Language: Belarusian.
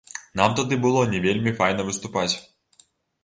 Нам тады было не вельмі файна выступаць.